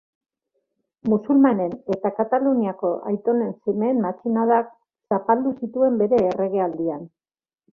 Musulmanen eta Kataluniako aitonen semeen matxinadak zapaldu zituen bere erregealdian.